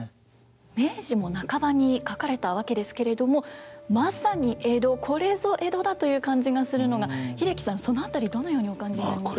明治も半ばに書かれたわけですけれどもまさに江戸これぞ江戸だという感じがするのが英樹さんその辺りどのようにお感じになられますか？